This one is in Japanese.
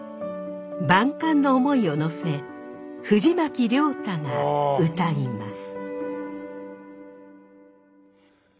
万感の思いをのせ藤巻亮太が歌います。